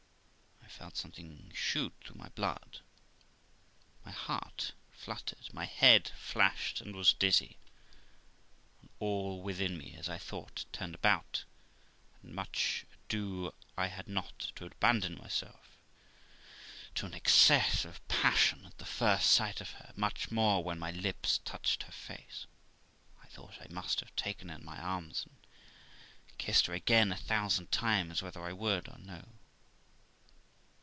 I felt something shoot through my blood, my heart fluttered, my head flashed, and was dizzy, and all within me, as I thought, turned about, and much ado I had not to abandon myself to an excess of passion at the first sight of her, much more when my lips touched her face. I thought I must have taken her in my arms and kissed her again a thousand times, whether I would or no.